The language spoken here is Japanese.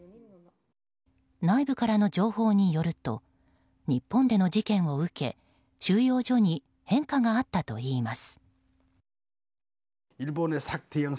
内部からの情報によると日本での事件を受け収容所に変化があったといいます。